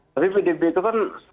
tapi pdb itu kan